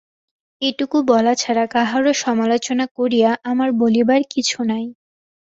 এইটুকু বলা ছাড়া কাহারও সমালোচনা করিয়া আমার বলিবার কিছু নাই।